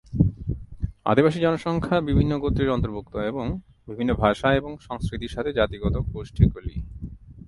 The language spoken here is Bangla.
আদিবাসী জনসংখ্যা বিভিন্ন গোত্রের অন্তর্ভুক্ত এবং বিভিন্ন ভাষা এবং সংস্কৃতির সাথে জাতিগত গোষ্ঠীগুলি।